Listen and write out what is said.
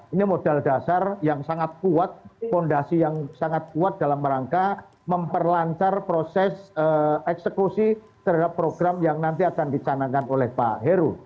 ini modal dasar yang sangat kuat fondasi yang sangat kuat dalam rangka memperlancar proses eksekusi terhadap program yang nanti akan dicanangkan oleh pak heru